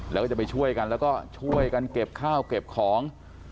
แล้วก็จะไปช่วยกันแล้วก็ช่วยกันเก็บข้าวเก็บของ